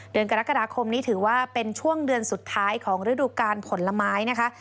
เดือนกรกฎาคมนี้ถือว่าเป็นช่วงเดือนสุดท้ายของฤดูการผลไม้นะคะ